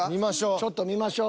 ちょっと見ましょう。